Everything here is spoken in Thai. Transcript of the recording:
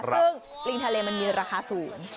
ซึ่งปลิงทะเลมันมีราคาสูง